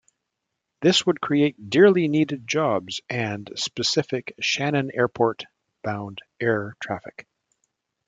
This would create dearly needed jobs and specific Shannon Airport bound air traffic.